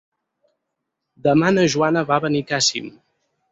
Demà na Joana va a Benicàssim.